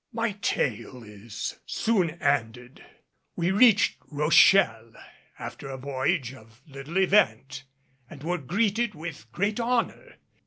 My tale is soon ended. We reached Rochelle after a voyage of little event, and were greeted with great honor.